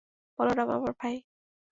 বলরাম, আমার ভাই।